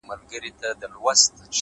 • د چا لاس چي د خپل قام په وینو سور وي ,